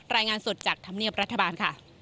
รายงานสดจากธรรมเนียบรัฐบาลค่ะ